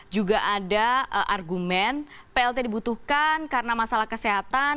juga ada argumen plt dibutuhkan karena masalah kesehatan